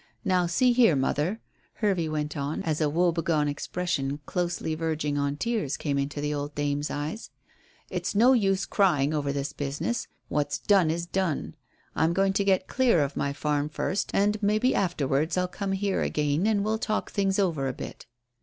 Now, see here, mother," Hervey went on, as a woe begone expression closely verging on tears came into the old dame's eyes, "it's no use crying over this business. What's done is done. I'm going to get clear of my farm first, and maybe afterwards I'll come here again and we'll talk things over a bit."